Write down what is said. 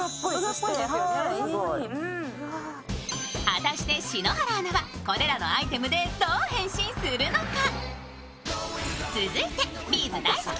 果たして、篠原アナはこれらのアイテムでどう変身するのか？